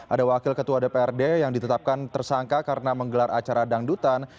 ada wakil ketua dprd yang ditetapkan tersangka karena menggelar acara dangdutan